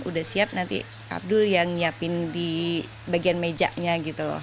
udah siap nanti abdul yang nyiapin di bagian mejanya gitu loh